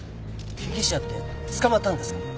被疑者って捕まったんですか？